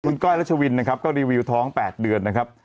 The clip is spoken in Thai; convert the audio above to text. คุณก้อยรัชวินนะครับก็รีวิวท้อง๘เดือนนะครับ